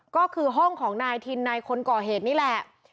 ก็คือห้องของนายทินนายคนก่อเหตุนี่แหละ